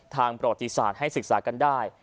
ประวัติศาสตร์ให้ศึกษากันได้